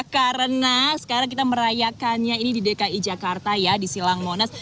karena sekarang kita merayakannya ini di dki jakarta ya di silang monas